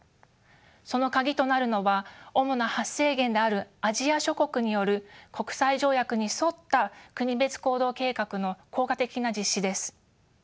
その鍵となるのは主な発生源であるアジア諸国による国際条約に沿った国別行動計画の効果的な実施です。